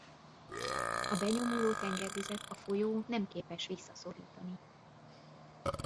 A benyomuló tengervizet a folyó nem képes visszaszorítani.